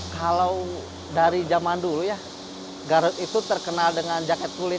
kalau dari zaman dulu ya garut itu terkenal dengan jaket kulit